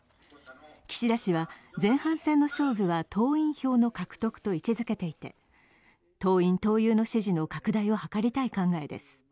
岸田氏は前半戦の勝負は党員票の獲得と位置づけていて党員・党友の支持の拡大を図りたい考えです。